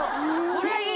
これいい！